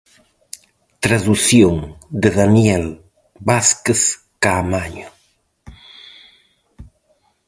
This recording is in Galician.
Tradución de Daniel Vázquez Caamaño.